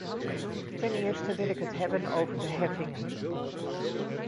Ten eerste wil ik het hebben over de heffingen.